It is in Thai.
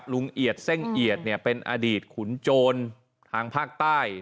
เอียดเส้งเอียดเป็นอดีตขุนโจรทางภาคใต้